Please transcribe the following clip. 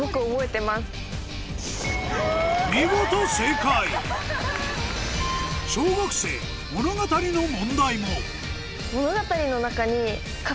見事正解小学生物語の問題も物語の中に。